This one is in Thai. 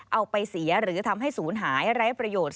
เอาไปเสียหรือทำให้ศูนย์หายไร้ประโยชน์